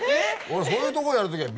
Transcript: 俺そういうとこやるときは。